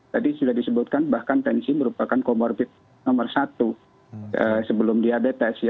tadi sudah disebutkan bahkan tensi merupakan comorbid nomor satu sebelum diabetes